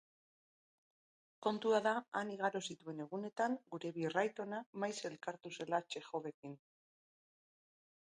Kontua da han igaro zituen egunetan gure birraitona maiz elkartu zela Txekhovekin.